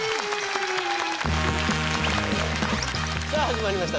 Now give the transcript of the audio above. さあ始まりました